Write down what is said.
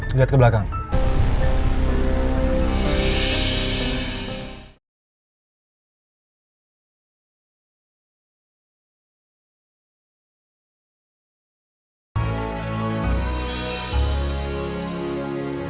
benar sekali ay berburu